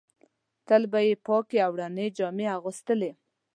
تل به یې پاکې او رنګه جامې اغوستلې.